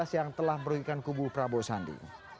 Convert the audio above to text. yang telah merugikan kubu prabowo sandi